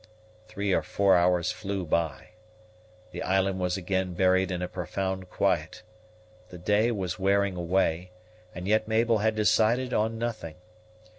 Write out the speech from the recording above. Three or four hours flew by. The island was again buried in a profound quiet, the day was wearing away, and yet Mabel had decided on nothing.